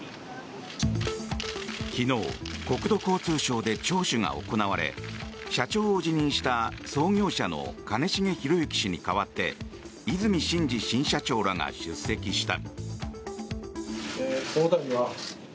昨日、国土交通省で聴取が行われ社長を辞任した創業者の兼重宏行氏に代わって和泉伸二新社長らが出席した。